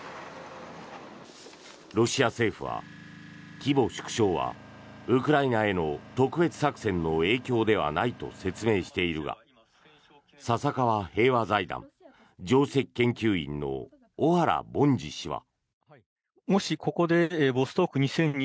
ロシア政府は、規模縮小はウクライナへの特別作戦の影響ではないと説明しているが笹川平和財団上席研究員の小原凡司氏は。